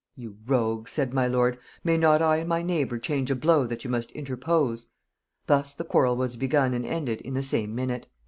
'You rogues,' said my lord, 'may not I and my neighbour change a blow but you must interpose?' Thus the quarrel was begun and ended in the same minute."